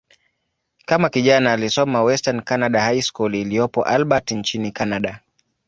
Kama kijana, alisoma "Western Canada High School" iliyopo Albert, nchini Kanada.